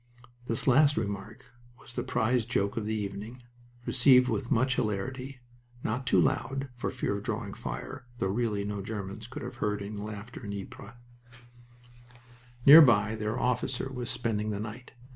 This last remark was the prize joke of the evening, received with much hilarity, not too loud, for fear of drawing fire though really no Germans could have heard any laughter in Ypres. Nearby, their officer was spending the night.